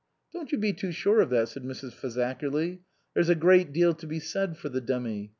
" Don't you be too sure of that," said Mrs. Fazakerly. " There's a great deal to be said for the dummy.